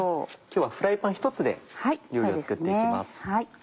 今日はフライパン１つで料理を作って行きます。